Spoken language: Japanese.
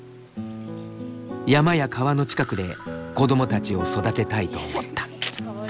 山や川の近くで子どもたちを育てたいと思った。